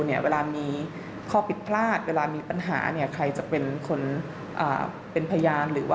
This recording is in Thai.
เนี่ยเวลามีข้อผิดพลาดเวลามีปัญหาเนี่ยใครจะเป็นคนเป็นพยานหรือว่า